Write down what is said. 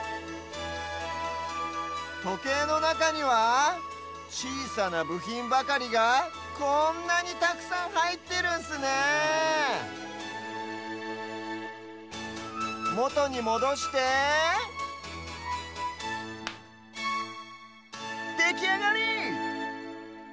とけいのなかにはちいさなぶひんばかりがこんなにたくさんはいってるんすねえもとにもどしてできあがり！